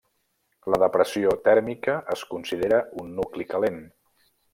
La depressió tèrmica es considera un nucli calent.